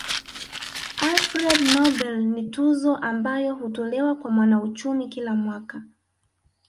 Alfred Nobel ni tuzo ambayo hutolewa kwa mwanauchumi kila mwaka